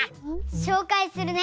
しょうかいするね！